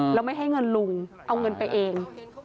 แล้วไม่ให้เงินลุงเอาเงินไปเอง